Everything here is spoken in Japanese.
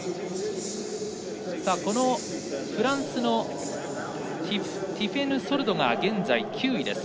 フランスのティフェヌ・ソルドが現在、９位です。